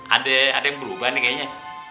ada yang berubah nih kayaknya